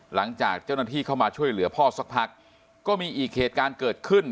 หลังจากเจ้าหน้าที่เข้ามาช่วยเหลือพ่อสักพักก็มีอีกเหตุการณ์เกิดขึ้น